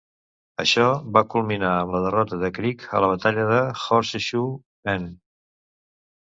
Això va culminar amb la derrota de Creek a la batalla del Horseshoe Bend.